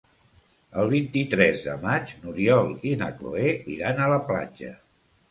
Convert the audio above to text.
El vint-i-tres de maig n'Oriol i na Cloè iran a la platja.